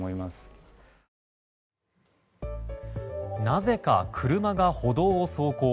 なぜか車が歩道を走行。